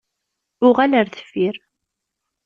Uɣal ar deffir.